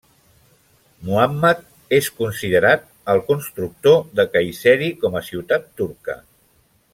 Muhammad és considerat el constructor de Kayseri com a ciutat turca.